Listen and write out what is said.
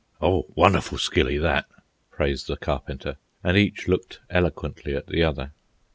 "Oh, wonderful skilly, that," praised the Carpenter, and each looked eloquently at the other.